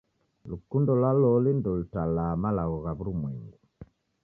Lukundo lwa loli ndolutalaa malagho gha w'urumwengu.